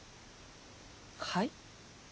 はい？